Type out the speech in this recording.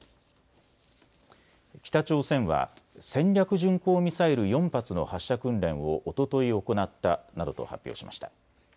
北朝鮮は戦略巡航ミサイル４発の発射訓練をおととい行ったなどと発表しました。